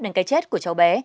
đến cái chết của cháu bé